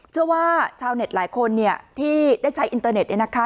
ชาวเน็ตหลายคนเนี่ยที่ได้ใช้อินเตอร์เน็ตเนี่ยนะคะ